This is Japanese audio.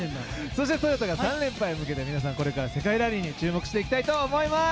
そしてトヨタが３連覇へ向けて皆さん、これから世界ラリーに注目していきたいと思います。